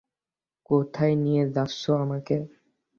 কোথায় নিয়ে যাচ্ছ আমাকে?